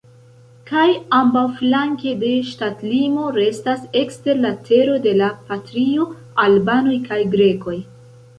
Kaj ambaŭflanke de ŝtatlimo restas ekster la tero de la patrio albanoj kaj grekoj.